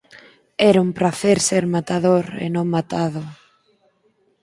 era un pracer ser matador e non matado...